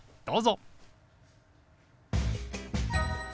どうぞ。